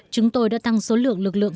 chúng tôi đã tăng số lượng lực lượng